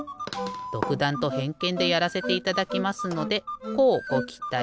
どくだんとへんけんでやらせていただきますのでこうごきたい。